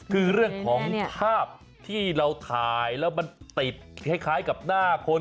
คือเรื่องของภาพที่เราถ่ายแล้วมันติดคล้ายกับหน้าคน